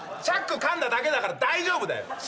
チャックかんだだけだから大丈夫だよ。